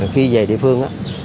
khi về địa phương